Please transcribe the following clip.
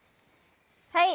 はい。